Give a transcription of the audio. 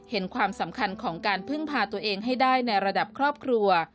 ความสำคัญของการพึ่งพาตัวเองให้ได้ในระดับครอบครัว